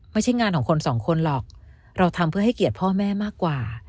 ไม่ใช่งานของคนสองคนหรอกเราทำเพื่อให้เกียรติพ่อแม่มากกว่า